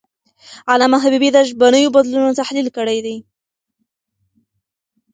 علامه حبیبي د ژبنیو بدلونونو تحلیل کړی دی.